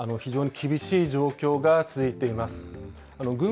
非常に厳しい状況が続いています。